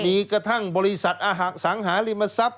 มีกระทั่งบริษัทอหสังหาริมทรัพย